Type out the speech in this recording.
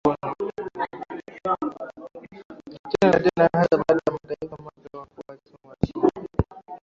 tena na tena hasa baada ya mataifa mapya kuwa Waislamu Waarabu